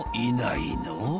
いないの？